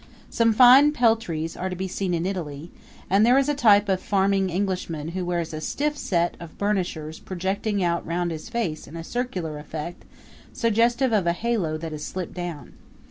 Some fine peltries are to be seen in Italy, and there is a type of farming Englishman who wears a stiff set of burnishers projecting out round his face in a circular effect suggestive of a halo that has slipped down.